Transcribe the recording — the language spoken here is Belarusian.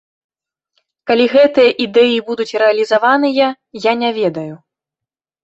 Калі гэтыя ідэі будуць рэалізаваныя, я не ведаю.